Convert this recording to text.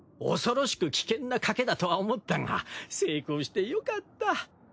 恐ろしく危険な賭けだとは思ったが成功してよかった。